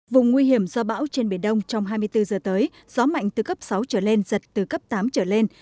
vùng nguy hiểm do bão trên biển đông trong hai mươi bốn giờ tới gió mạnh từ cấp sáu trở lên giật từ cấp tám trở lên